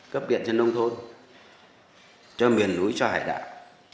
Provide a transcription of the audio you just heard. cấp điện cho nông thôn cho miền núi cho hải đảo